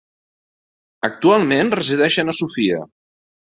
Actualment resideixen a Sofia.